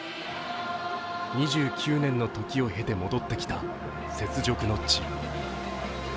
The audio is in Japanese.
２９年の時を経て戻ってきた雪辱の地。